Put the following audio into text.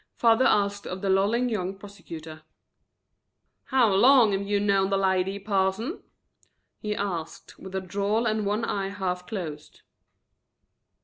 father asked of the lolling young prosecutor. "How long have you known the lady, Parson?" he asked, with a drawl and one eye half closed.